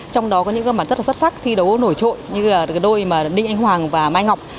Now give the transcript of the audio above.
trong đó có những cơ bản rất xuất sắc thi đấu nổi trội như đôi đinh anh hoàng và mai ngọc